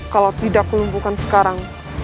kalau tidak kulumpukan sekarang